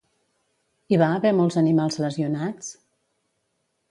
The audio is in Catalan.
Hi va haver molts animals lesionats?